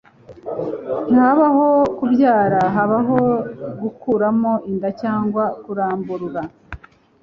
ntihabaho kubyara, habaho gukuramo inda cyangwa kuramburura